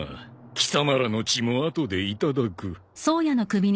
貴様らの血も後でいただく。